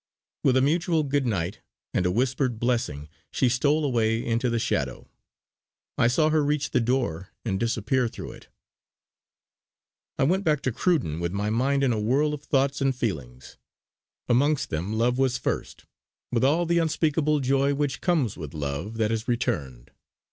With a mutual 'good night' and a whispered blessing she stole away into the shadow. I saw her reach the door and disappear through it. I went back to Cruden with my mind in a whirl of thoughts and feelings. Amongst them love was first; with all the unspeakable joy which comes with love that is returned.